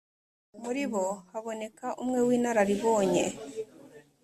muri bo haboneka umwe w'inararibonye,